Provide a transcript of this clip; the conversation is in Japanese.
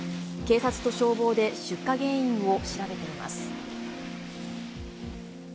警察と消防で出火原因を調べています。